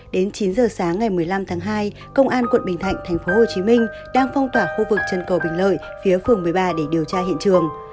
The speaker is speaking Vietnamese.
đến chín giờ sáng ngày một mươi năm tháng hai công an quận bình thạnh tp hcm đang phong tỏa khu vực chân cầu bình lợi phía phường một mươi ba để điều tra hiện trường